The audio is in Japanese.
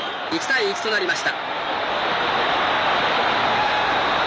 １対１となりました。